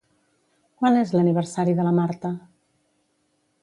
Quan és l'aniversari de la Marta?